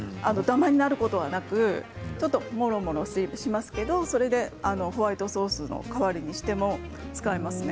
ダマになることもなくちょっとぽろぽろしますけどそれでホワイトソースの代わりにしても使えます。